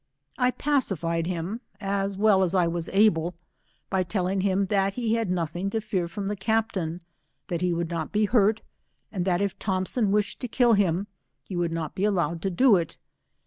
I pacified him as well as I was able, by telling him that he had nothing to fear from the captain, that he would not be hurt, and that if Thompson wished to kill him, he would not be allowed to do it.